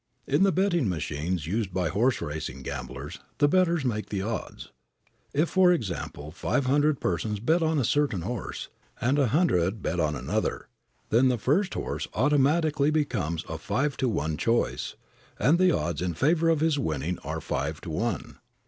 In the betting machines used by horse racing gamblers the bettors make the odds. If, for example, five hundred persons bet on a certain horse, and a hundred bet on another, then the first horse automatically becomes a five to one choice, and the odds in favor of his winning are five to one.